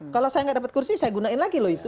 kalau saya nggak dapat kursi saya gunain lagi loh itu